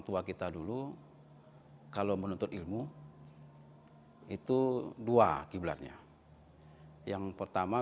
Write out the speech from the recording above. tua kita dulu kalau menuntut ilmu itu dua kiblatnya yang pertama